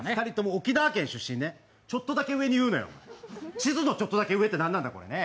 地図のちょっとだけ上ってなんなんだこれね。